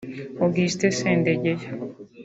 Augustin Sendegeya